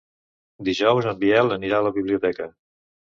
Dijous en Biel anirà a la biblioteca.